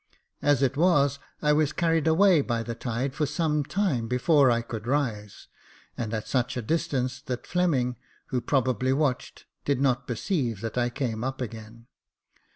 As it was, I was carried away by the tide for some time before I could rise, Jacob Faithful 65 and at such a distance that Fleming, who probably watched, did not perceive that I came up again.